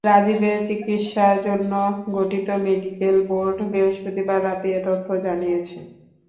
রাজীবের চিকিৎসার জন্য গঠিত মেডিকেল বোর্ড বৃহস্পতিবার রাতে এ তথ্য জানিয়েছে।